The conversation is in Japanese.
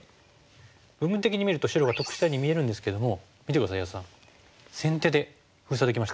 部分的に見ると白が得したように見えるんですけども見て下さい安田さん先手で封鎖できましたよ。